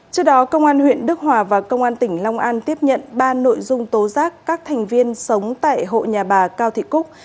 trước đó công an huyện đức hòa và công an tỉnh long an tiếp nhận ba nội dung tố giác các thành viên sống tại hộ nhà bà cao thị cúc